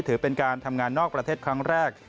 ถือเป็นการทำงานนอกประเทศครั้งแรก